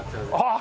ああ